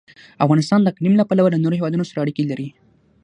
افغانستان د اقلیم له پلوه له نورو هېوادونو سره اړیکې لري.